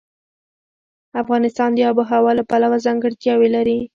افغانستان د آب وهوا له پلوه ځانګړتیاوې لري.